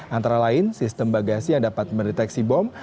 antara lain sistem bagasi yang dapat mendeteksi bom